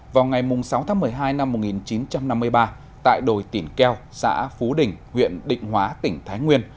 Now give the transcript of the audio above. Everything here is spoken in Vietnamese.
vào ngày sáu tháng một mươi hai năm một nghìn chín trăm năm mươi ba tại đồi tỉnh keo xã phú đình huyện định hóa tỉnh thái nguyên